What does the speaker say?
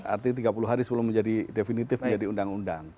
artinya tiga puluh hari sebelum menjadi definitif menjadi undang undang